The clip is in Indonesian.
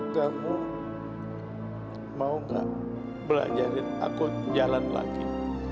kamu mau gak belajarin aku jalan lagi